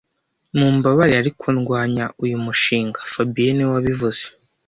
Mumbabarire, ariko ndwanya uyu mushinga fabien niwe wabivuze